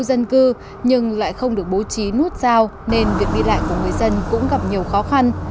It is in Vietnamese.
đi qua nhiều khu dân cư nhưng lại không được bố trí nút rào nên việc đi lại của người dân cũng gặp nhiều khó khăn